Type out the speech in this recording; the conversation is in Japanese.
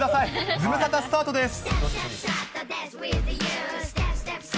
ズムサタスタートです。